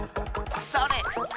それ！